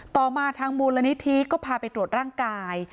ต่อมาทางมูลนิธิก็พาไปตรวจร่างกาย